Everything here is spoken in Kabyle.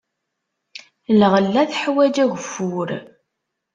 Lɣella teḥwaj ageffur.